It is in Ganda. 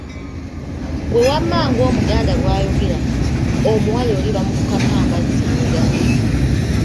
Ggwe wamma ng’omuganda bw’ayogera, omuwala oli bamufukako amazzi n’oganywa!